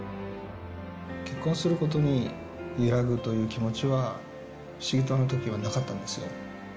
結婚することに揺らぐという気持ちは、不思議とあのときはなかったんですよ。